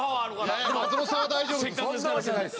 いやいや松本さんは大丈夫です。